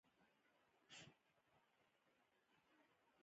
د سعودي حکومت په مېلمستیا تر سره کېږي.